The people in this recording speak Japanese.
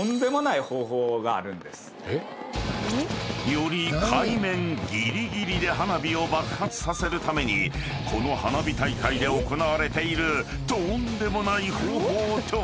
［より海面ぎりぎりで花火を爆発させるためにこの花火大会で行われているとんでもない方法とは？］